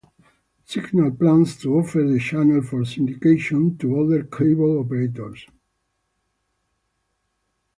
Cignal plans to offer the channel for syndication to other cable operators.